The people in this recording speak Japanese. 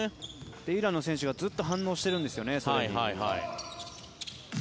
イランの選手がずっと反応しているんですよね。